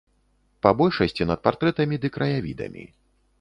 Па большасці над партрэтамі ды краявідамі.